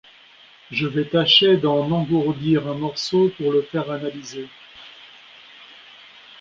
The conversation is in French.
Je vais tâcher d’en engourdir un morceau pour le faire analyser.